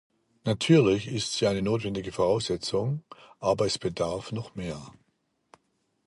Natürlich ist sie eine notwendige Voraussetzung, aber es bedarf noch mehr.